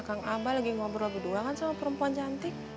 kang abah lagi ngobrol berdua kan sama perempuan cantik